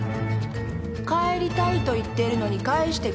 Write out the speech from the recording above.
「帰りたいと言ってるのに帰してくれないの」